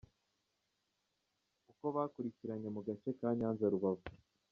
Uko bakurikiranye mu gace ka Nyanza-Rubavu.